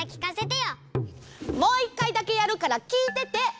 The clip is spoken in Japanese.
もういっかいだけやるからきいてて！